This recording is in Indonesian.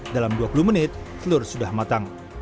dalam dua puluh menit telur sudah matang